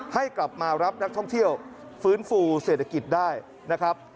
ให้กลับมารับนักท่องเที่ยวฟื้นฟูเศรษฐกิจได้นะครับ